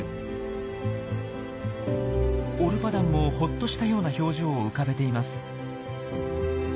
オルパダンもほっとしたような表情を浮かべています。